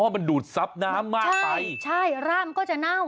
มันดูดซับน้ำมากไปใช่ร่ามก็จะเน่า